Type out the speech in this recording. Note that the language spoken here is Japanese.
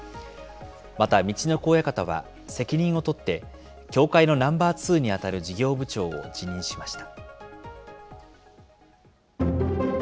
また、陸奥親方は責任を取って、協会のナンバーツーに当たる事業部長を辞任しました。